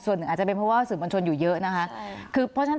อันหนึ่งจะเป็นเพราะสื่อบัญชนอยู่เยอะนะคะ